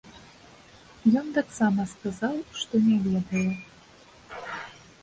Ён таксама сказаў, што не ведае.